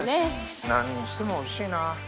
何にしてもおいしいな。